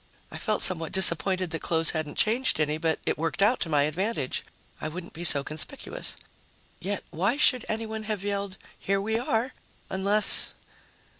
I felt somewhat disappointed that clothes hadn't changed any, but it worked out to my advantage; I wouldn't be so conspicuous. Yet why should anyone have yelled "Here we are!" unless....